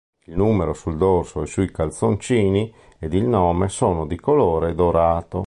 Il numero sul dorso e sui calzoncini, e il nome, sono di colore dorato.